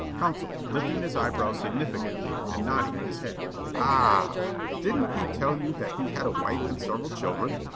Counsel, lifting his eyebrows significantly and nodding his head: "Ah h h! Didn't he tell you that he had a wife and several children?"